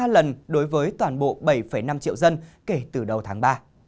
ba lần đối với toàn bộ bảy năm triệu dân kể từ đầu tháng ba